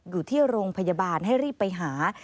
อยู่ที่โรงพยาบาลให้รีบไปหา